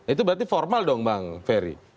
itu berarti formal dong bang ferry